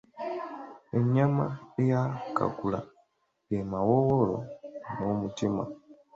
Ennyama ey’akaggula ge mawoowoolo n’omutima.